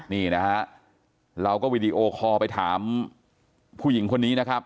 นี่นะฮะเราก็วีดีโอคอลไปถามผู้หญิงคนนี้นะครับ